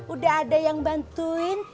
udah ada yang bantuin